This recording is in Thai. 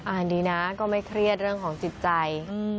ดีนะก็ไม่เครียดเรื่องของจิตใจ